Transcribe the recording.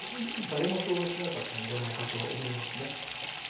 誰も想像してなかったんじゃないかと思いますね。